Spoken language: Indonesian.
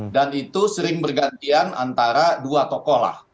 dan itu sering bergantian antara dua tokoh lah